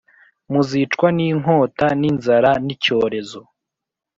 Muzicwa n inkota n inzara n icyorezo